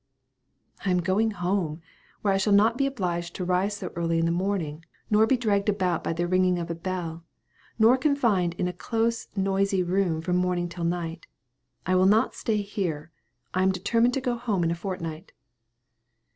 "I am going home, where I shall not be obliged to rise so early in the morning, nor be dragged about by the ringing of a bell, nor confined in a close noisy room from morning till night. I will not stay here; I am determined to go home in a fortnight."